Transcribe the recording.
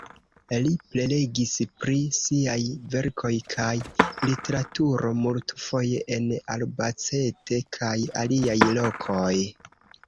Li prelegis pri siaj verkoj kaj literaturo multfoje en Albacete kaj aliaj lokoj.